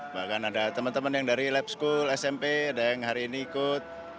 bahkan ada teman teman yang dari lab school smp ada yang hari ini ikut